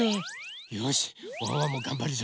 よしワンワンもがんばるぞ。